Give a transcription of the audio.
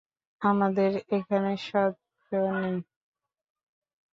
আমাদের এখানে শস্য নেই।